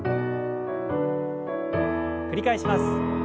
繰り返します。